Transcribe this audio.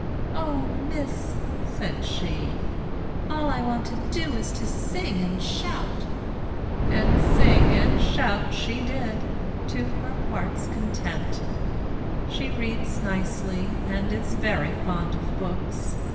"O Miss," said she, "all I want to do is to sing and shout!" And sing and shout she did, to her heart's content. She reads nicely, and is very fond of books.